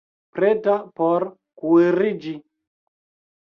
Preta por kuiriĝi